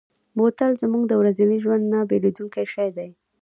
بوتل زموږ د ورځني ژوند نه بېلېدونکی شی دی.